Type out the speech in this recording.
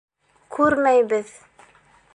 — Күрмәйбеҙ.